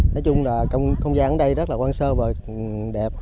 nói chung là không gian ở đây rất là quan sơ và đẹp